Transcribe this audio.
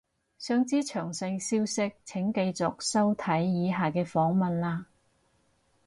想知詳細消息請繼續收睇以下嘅訪問喇